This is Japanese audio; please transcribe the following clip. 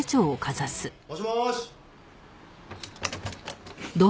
もしもーし？